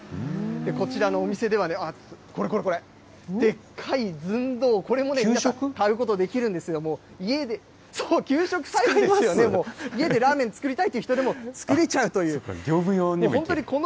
こちらのお店ではね、これこれこれ、でっかい寸胴、これもね、買うことできるんですよ、家で、給食サイズですよね、家でラーメン作りたいという人でも、作れちゃうという。